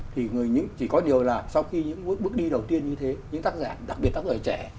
thì chỉ có điều là sau khi những bước đi đầu tiên như thế những tác giả đặc biệt các người trẻ